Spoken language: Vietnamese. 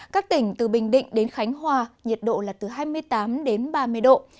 các tỉnh từ bình định đến khánh hòa nhiệt độ là từ hai mươi tám đến ba mươi độ